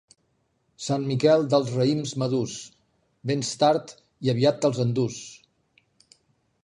Sant Miquel dels raïms madurs, vens tard i aviat te'ls enduus.